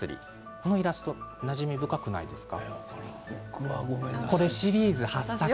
このイラストなじみ深くないですか？